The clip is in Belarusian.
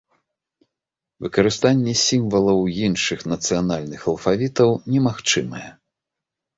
Выкарыстанне сімвалаў іншых нацыянальных алфавітаў немагчымае.